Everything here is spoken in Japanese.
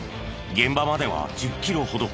現場までは１０キロほど。